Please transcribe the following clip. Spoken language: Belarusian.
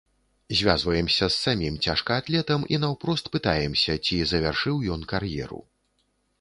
Звязваемся з самім цяжкаатлетам і наўпрост пытаемся, ці завяршыў ён кар'еру.